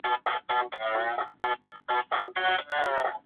通常在样品处透射的激发光是反射光的千百倍。